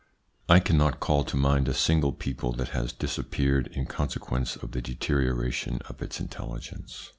I cannot call to mind a single people that has disappeared in consequence of the deterioration of its intelligence.